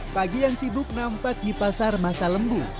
pagi yang sibuk nampak di pasar masa lembu